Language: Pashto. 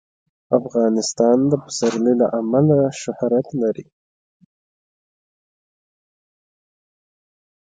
افغانستان د پسرلی له امله شهرت لري.